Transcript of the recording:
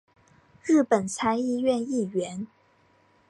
日本参议院议员。